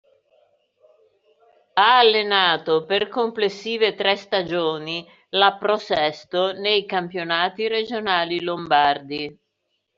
Ha allenato per complessive tre stagioni la Pro Sesto nei campionati regionali lombardi.